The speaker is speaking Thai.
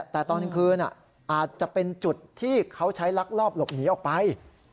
แต่ตอนกลางคืนอาจจะเป็นจุดที่เขาใช้ลักลอบหลบหนีออกไป